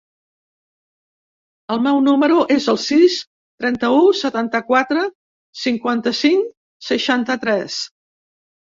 El meu número es el sis, trenta-u, setanta-quatre, cinquanta-cinc, seixanta-tres.